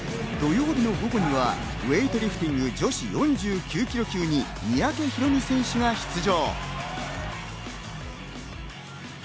土曜日の午後にはウエイトリフティング女子４９ｋｇ級に三宅宏実選手が出場。